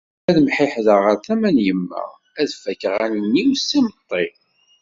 Ad mḥiḥdeɣ ɣer tama n yemma ad d-fakkeɣ allen-iw s yimeṭṭi.